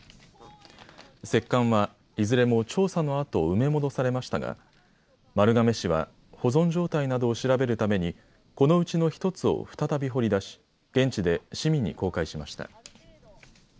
石棺はいずれも調査のあと埋め戻されましたが丸亀市は保存状態などを調べるためにこのうちの１つを再び掘り出し現地で市民に公開しました。